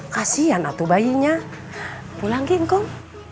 kasian atuh bayinya pulanggi ngkom